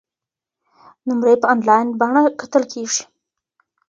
نمرې په انلاین بڼه کتل کیږي.